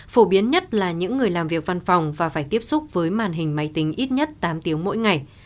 phổ biến nhất là những người làm việc văn phòng và phải tiếp xúc với màn hình máy tính ít nhất tám tiếng mỗi ngày